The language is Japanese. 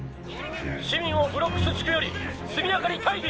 「市民をブロックス地区より速やかに退避！